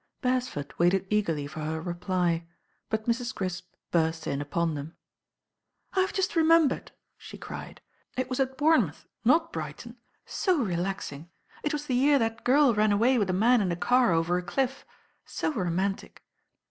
Beresford waited eagerly for her reply; but Mrs. Crisp burst in upon them. "I've just remembered," she cried; "it was at Bournemouth, not Brighton. So relaxing. It was the year that girl ran away with a man in a car over a cliff. So romantic."